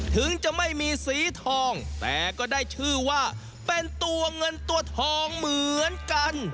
ถึงจะไม่มีสีทองแต่ก็ได้ชื่อว่าเป็นตัวเงินตัวทองเหมือนกัน